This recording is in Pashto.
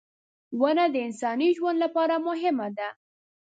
• ونه د انساني ژوند لپاره مهمه ده.